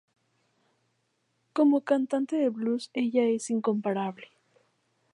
Como cantante de blues ella es incomparable.